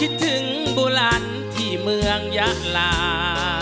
คิดถึงบุรันที่เมืองยาหลา